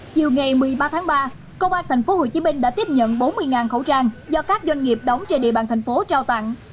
chiều ngày một mươi ba tháng ba công an tp hcm đã tiếp nhận bốn mươi khẩu trang do các doanh nghiệp đóng trên địa bàn thành phố trao tặng